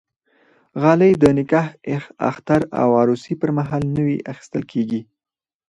غالۍ د نکاح، اختر او عروسي پرمهال نوی اخیستل کېږي.